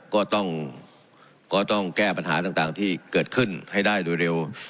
ก็ต้องก็ต้องแก้ปัญหาต่างต่างที่เกิดขึ้นให้ได้ด้วยเร็ว